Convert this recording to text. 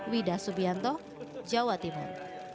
wida subianto jawa timur